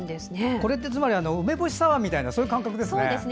これって、つまり梅干しサワーみたいな感覚ですね。